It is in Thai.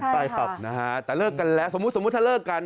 ใช่ครับแต่เลิกกันแล้วสมมุติถ้าเลิกกัน